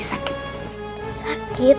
dynamic kira sejarahnya gitu